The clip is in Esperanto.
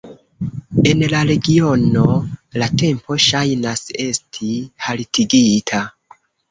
En la regiono la tempo ŝajnas esti haltigita.